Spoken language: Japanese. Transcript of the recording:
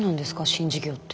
新事業って。